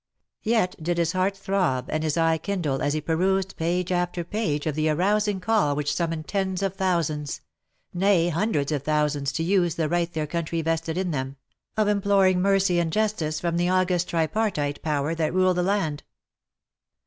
Yet did his heart throb, and his eye kindle as he perused page after page of the arousing call which summoned tens of thousands, nay hundreds of thousands to use the right their country vested in them, of imploring mercy and justice from the august tripartite power that ruled the land.